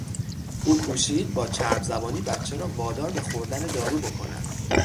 او کوشید با چرب زبانی بچه را وادار به خوردن دارو بکند.